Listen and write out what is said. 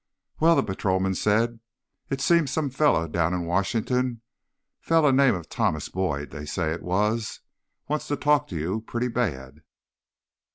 "Well," the patrolman said, "it seems some fella down in Washington, fella name of Thomas Boyd, they said it was, wants to talk to you pretty bad."